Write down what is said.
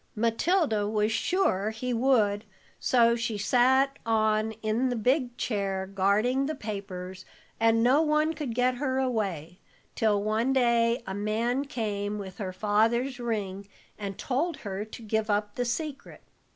"Matilda was sure he would, so she sat on in the big chair, guarding the papers, and no one could get her away, till one day a man came with her father's ring and told her to give up the secret.